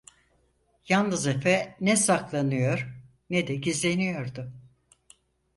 Yalnız efe, ne saklanıyor, ne de gizleniyordu.